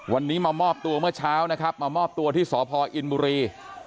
วันนี้มามอบตัวเมื่อเช้านะครับมามอบตัวที่สพอินบุรี